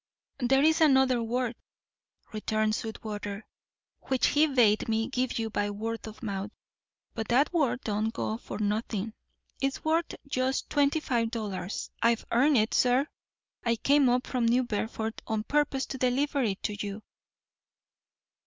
"There is another word," returned Sweetwater, "which he bade me give you by word of mouth; but that word don't go for nothing. It's worth just twenty five dollars. I've earned it, sir. I came up from New Bedford on purpose to deliver it to you."